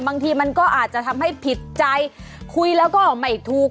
บางทีมันก็อาจจะทำให้ผิดใจคุยแล้วก็ไม่ถูก